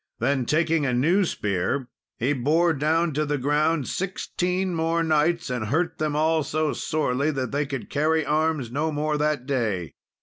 Then taking a new spear, he bore down to the ground sixteen more knights, and hurt them all so sorely, that they could carry arms no more that day.